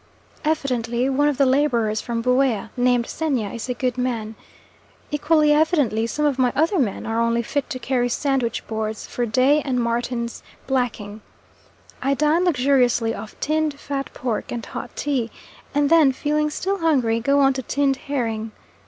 Evidently one of the labourers from Buea, named Xenia, is a good man. Equally evidently some of my other men are only fit to carry sandwich boards for Day and Martin's blacking. I dine luxuriously off tinned fat pork and hot tea, and then feeling still hungry go on to tinned herring.